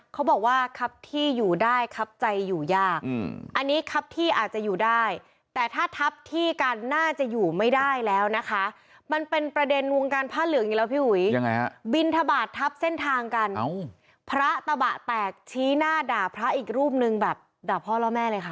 เขาบอกว่าครับที่อยู่ได้ครับใจอยู่ยากอันนี้ครับที่อาจจะอยู่ได้แต่ถ้าทับที่กันน่าจะอยู่ไม่ได้แล้วนะคะมันเป็นประเด็นวงการผ้าเหลืองอีกแล้วพี่อุ๋ยยังไงฮะบินทบาททับเส้นทางกันพระตะบะแตกชี้หน้าด่าพระอีกรูปนึงแบบด่าพ่อล่อแม่เลยค่ะ